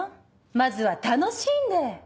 まずは楽しんで！